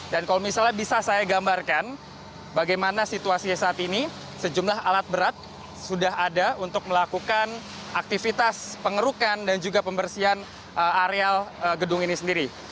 dan kalau misalnya bisa saya gambarkan bagaimana situasi saat ini sejumlah alat berat sudah ada untuk melakukan aktivitas pengerukan dan juga pembersihan areal gedung ini sendiri